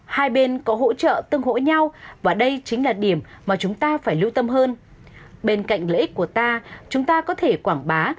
hai bên có hỗ trợ tương hỗ nhau và đây chính là điểm mà chúng ta phải lưu tâm hơn bên cạnh lợi ích của ta chúng ta có thể quảng bá